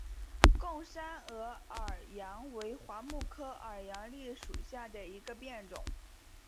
贡山鹅耳杨为桦木科鹅耳枥属下的一个变种。